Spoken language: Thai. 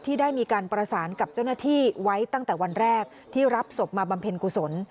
ได้มีการประสานกับเจ้าหน้าที่ไว้ตั้งแต่วันแรกที่รับศพมาบำเพ็ญกุศล